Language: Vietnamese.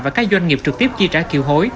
và các doanh nghiệp trực tiếp chi trả kiều hối